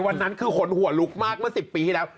วันนั้นคือขนหัวลุกมากเมื่อ๑๐ปีที่แล้ว